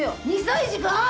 ２歳児か！？